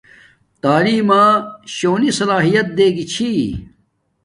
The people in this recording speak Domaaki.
تعیلم با شونی سلاحیت دے گی چھی